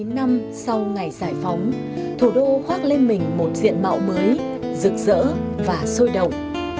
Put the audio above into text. chín mươi năm sau ngày giải phóng thủ đô khoác lên mình một diện mạo mới rực rỡ và sôi động